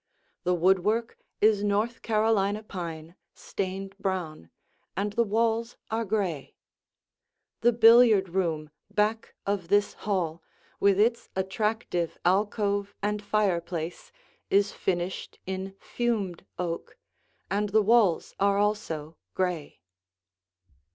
The woodwork is North Carolina pine stained brown, and the walls are gray. The billiard room back of this hall, with its attractive alcove and fireplace, is finished in fumed oak, and the walls are also gray.